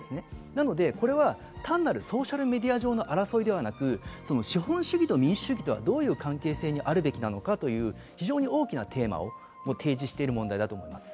なので、これは単なるソーシャルメディア上の争いではなく、資本主義と民主主義とはどういう関係性にあるべきなのかという非常に大きなテーマを提示している問題だと思います。